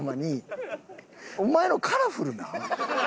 お前のカラフルなん？